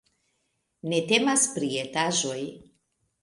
Ne temas pri etaĵoj.